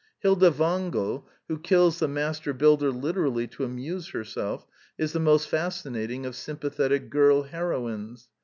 Hilda Wangel, who kills the Master Builder literally to amuse herself, is the most fascinating of sympathetic girl heroines.